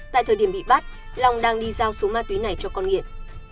tại thời điểm bị bắt long đang đi giao số ma túy này cho con nghiện